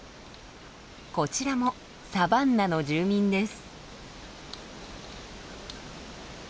こちらもサバンナの住民です。